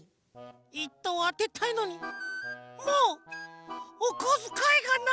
１とうあてたいのにもうおこづかいがない！